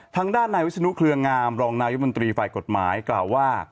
ทางด้านนายวิศนุเครืองามรองนายมนตรีฝ่ายกฎหมายกล่าวว่า